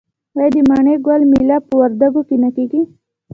آیا د مڼې ګل میله په وردګو کې نه کیږي؟